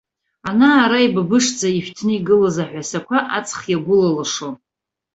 Ана-ара ибыбышӡа ишәҭны игылаз аҳәасақәа аҵх иагәылалашон.